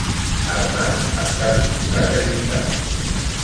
Armand està disposat a lluitar.